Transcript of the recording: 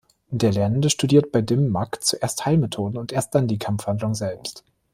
Der Lernende studiert bei Dim Mak zuerst Heilmethoden und erst dann die Kampfhandlung selbst.